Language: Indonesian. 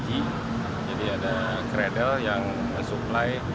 jadi ada kredel yang supply